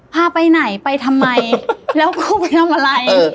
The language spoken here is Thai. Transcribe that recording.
พาไปไหนไปทำไมแล้วพ่อไปทำอะไร